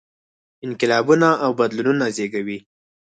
انقلابونه او بدلونونه زېږوي.